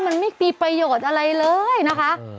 มันไม่มีประโยชน์อะไรเลยนะคะ